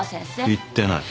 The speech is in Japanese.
言ってない。